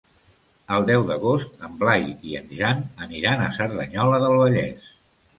El deu d'agost en Blai i en Jan aniran a Cerdanyola del Vallès.